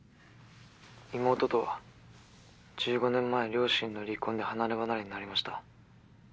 妹とは１５年前両親の離婚で離れ離れになりました。